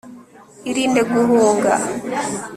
irinde guhunga